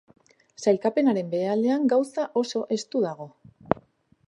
Sailkapenaren behealdean gauza oso estu dago.